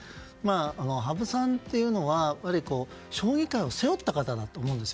羽生さんというのは将棋界を背負った方だと思うんですよ。